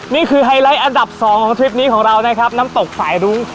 ไฮไลท์อันดับ๒ของทริปนี้ของเรานะครับน้ำตกสายรุ้ง